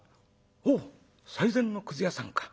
「おお最前のくず屋さんか。